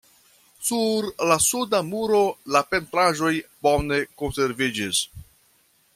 Sur la suda muro la pentraĵoj bone konserviĝis.